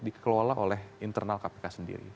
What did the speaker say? dikelola oleh internal kpk sendiri